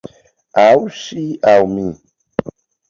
Aŭ ŝi aŭ mi!